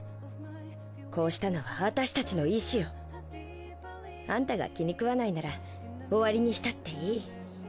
こうしたのは私たちの意思よ。あんたが気にくわないなら終わりにしたっていい。